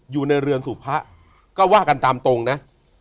อยู่ในเรือนสู่พระก็ว่ากันตามตรงนะ